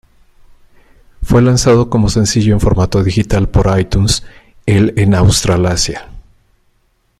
Fue lanzado como sencillo en formato digital por iTunes, el en Australasia.